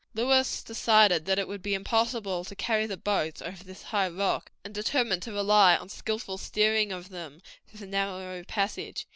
Lewis decided that it would be impossible to carry the boats over this high rock, and determined to rely on skillful steering of them through the narrow passage.